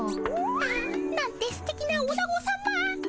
ああなんてすてきなおなごさま。